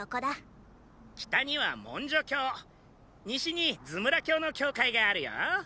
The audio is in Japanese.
北にはモンジョ教西にズムラ教の教会があるよ。